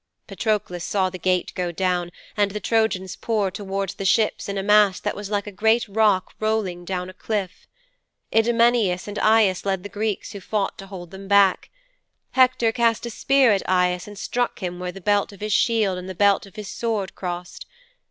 'Patroklos saw the gate go down and the Trojans pour towards the ships in a mass that was like a great rock rolling down a cliff. Idomeneus and Aias led the Greeks who fought to hold them back. Hector cast a spear at Aias and struck him where the belt of his shield and the belt of his sword crossed.